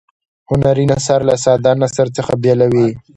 هنري نثر له ساده نثر څخه بیلوي.